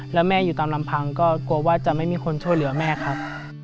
แล้วแม่อยู่ตามลำพังก็กลัวว่าจะไม่มีคนช่วยเหลือแม่ครับ